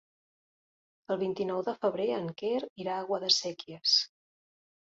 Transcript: El vint-i-nou de febrer en Quer irà a Guadasséquies.